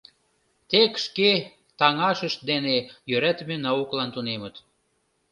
Тек шке таҥашышт дене йӧратыме наукылан тунемыт.